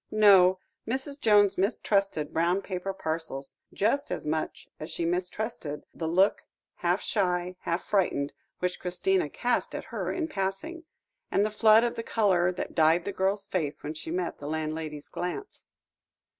No; Mrs. Jones mistrusted brown paper parcels, just as much as she mistrusted the look, half shy, half frightened, which Christina cast at her in passing, and the flood of colour that dyed the girl's face, when she met the landlady's glance.